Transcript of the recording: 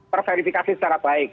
terverifikasi secara baik